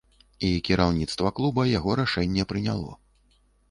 І кіраўніцтва клуба яго рашэнне прыняло.